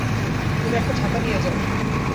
তুমি একটা ছাতা নিয়ে নাও।